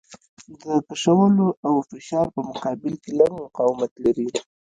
د کشولو او فشار په مقابل کې لږ مقاومت لري.